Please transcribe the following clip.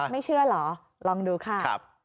ไม่เชื่อเหรอลองดูค่ะ